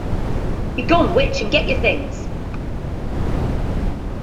'Be gone, witch, and get your things!’